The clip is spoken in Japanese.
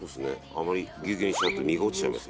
あまりギュウギュウにしちゃうと実が落ちちゃいますよ。